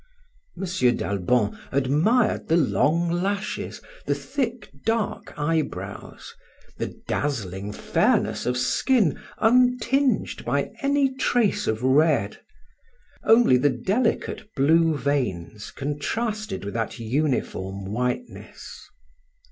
M. d'Albon admired the long lashes, the thick, dark eyebrows, the dazzling fairness of skin untinged by any trace of red. Only the delicate blue veins contrasted with that uniform whiteness.